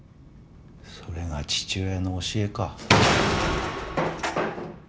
それが父親の教えか？